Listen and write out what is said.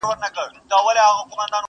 له حیا له حُسنه جوړه ترانه یې،